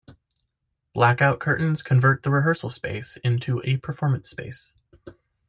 Blackout curtains convert the rehearsal space into a performance space.